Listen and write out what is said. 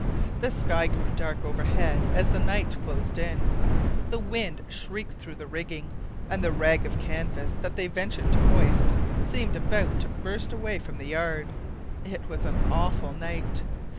The sky grew dark overhead as the night closed in, the wind shrieked through the rigging, and the rag of canvas that they ventured to hoist seemed about to burst away from the yard. It was an awful night.